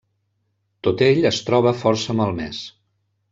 Tot ell es troba força malmès.